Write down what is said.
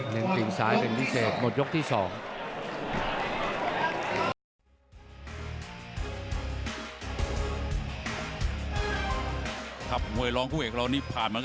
ตีนซ้ายเป็นพิเศษหมดยกที่สอง